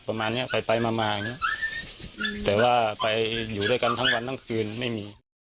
ประมาณนี้ไปมาแต่ว่าไปอยู่ด้วยกันทั้งวันทั้งคืนไม่มี